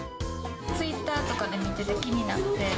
ツイッターとかで見てて気になって。